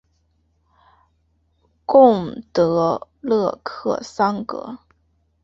贡德勒克桑格。